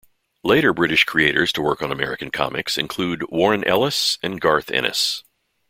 Later British creators to work on American comics include Warren Ellis and Garth Ennis.